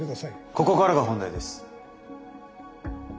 ここからが本題です。